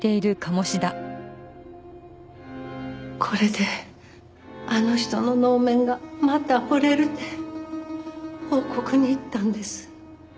これであの人の能面がまた彫れるて報告に行ったんです。